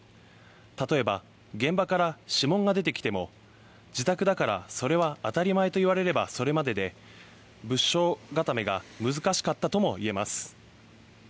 例えば、現場から指紋が出てきても、自宅だからそれは当たり前と言われればそれまでで物証固めが難しかったともいえます。